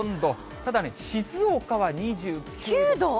ただね、静岡は２９度。